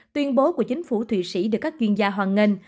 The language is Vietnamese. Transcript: tuyên bố của chính phủ thụy sĩ được các chuyên gia hoàn ngân